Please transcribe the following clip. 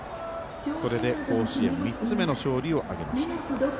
これで、甲子園３つ目の勝利を挙げました。